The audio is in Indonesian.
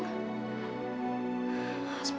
asmatnya mesti apa